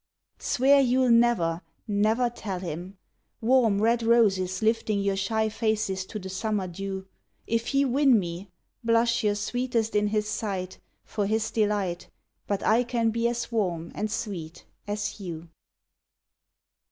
Swear you 'll never, never tell him! Warm, red roses lifting your shy faces to the summer dew; If he win me, Blush your sweetest in his sight For his delight, But I can be as warm and sweet as you.